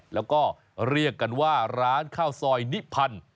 แล้วก็เรียกกันว่าร้านข้าวซอยนิพันธ์